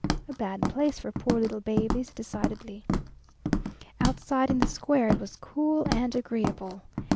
A bad place for poor little babies decidedly. Outside, in the square, it was cool and agreeable.